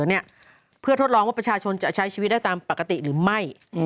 เนี่ยเพื่อทดลองว่าประชาชนจะใช้ชีวิตได้ตามปกติหรือไม่